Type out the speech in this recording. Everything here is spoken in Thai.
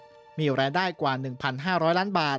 ปี๒๕๕๘มีรายได้กว่า๒๐๐๐ล้านบาท